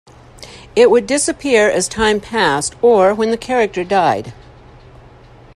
It would disappear as time passed or when the character died.